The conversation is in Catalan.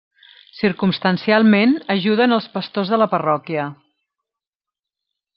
Circumstancialment ajuden els pastors de la parròquia.